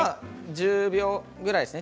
１０秒ぐらいですね。